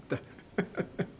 ハハハハ。